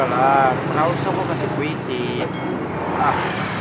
enggak usah gue kasih kuih sih